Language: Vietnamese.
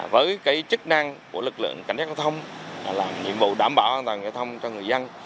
với chức năng của lực lượng cảnh sát giao thông là nhiệm vụ đảm bảo an toàn giao thông cho người dân